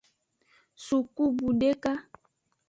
Sukubu deka.